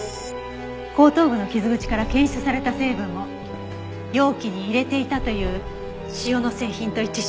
後頭部の傷口から検出された成分も容器に入れていたという塩の製品と一致しました。